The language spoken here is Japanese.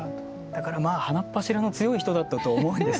だから鼻っ柱の強い人だったと思うんですけれども。